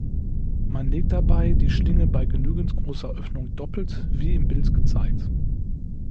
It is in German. Man legt dabei die Schlinge bei genügend großer Öffnung doppelt, wie im Bild gezeigt.